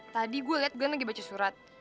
tadi gue liat belan lagi baca surat